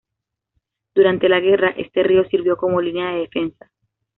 Durante la guerra, este río sirvió como línea de defensa.